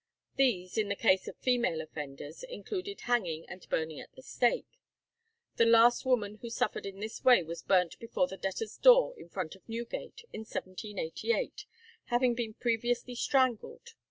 These, in the case of female offenders, included hanging and burning at a stake. The last woman who suffered in this way was burnt before the debtors' door, in front of Newgate, in 1788, having been previously strangled.